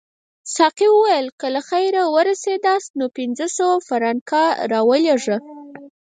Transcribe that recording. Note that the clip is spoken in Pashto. ساقي وویل که له خیره ورسیداست نو پنځه سوه فرانکه راولېږه.